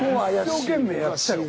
一生懸命やったよ